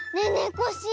コッシー